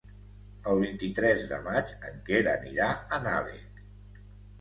El vint-i-tres de maig en Quer anirà a Nalec.